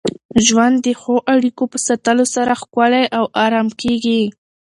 ژوند د ښو اړیکو په ساتلو سره ښکلی او ارام کېږي.